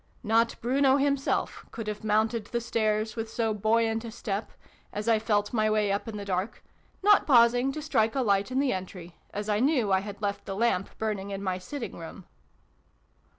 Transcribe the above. Not Bruno himself could have mounted the stairs with so buoyant a step, as I felt my way up in the dark, not pausing to strike a light in the entry, as I knew I had left the lamp burning in my sitting room.